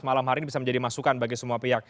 malam hari ini bisa menjadi masukan bagi semua pihak